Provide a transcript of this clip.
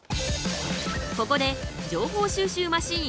ここで情報収集マシーン